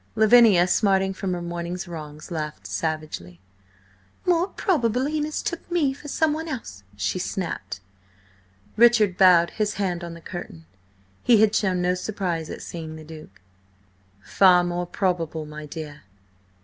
Lavinia, smarting from her morning's wrongs, laughed savagely. "More probable he mistook me for someone else!" she snapped. Richard bowed, his hand on the curtain. He had shown no surprise at seeing the Duke. "Far more probable, my dear.